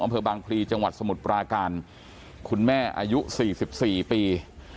อำเภอบางพลีจังหวัดสมุทรปราการคุณแม่อายุ๔๔ปี